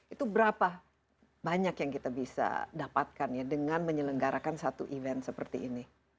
itu berapa banyak yang kita bisa dapatkan ya dengan menyelenggarakan satu event seperti ini